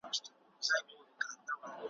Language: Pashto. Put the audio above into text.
تش له بګړیو له قلمه دی، بېدیا کلی دی `